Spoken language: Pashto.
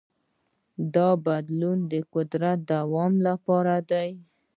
دا بدلون د قدرت د دوام لپاره دی.